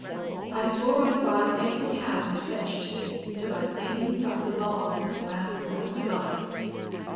"I swore I'd buy every hound fetched to me, till I'd cleaned up the varmints around White Slides.